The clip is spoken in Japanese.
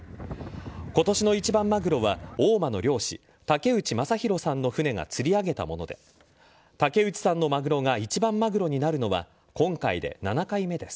今年の一番マグロは大間の漁師竹内正弘さんの船が釣り上げたもので竹内さんのマグロが一番マグロになるのは今回で７回目です。